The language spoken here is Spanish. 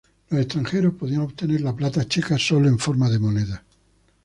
Los extranjeros podían obtener la plata checa solo en forma de monedas.